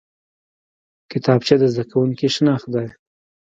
کتابچه د زده کوونکي شناخت دی